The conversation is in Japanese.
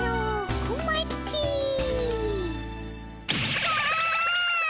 うわ！